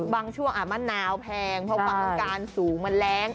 บางช่วงมะนาวแพงเพราะความต้องการสูงมันแรง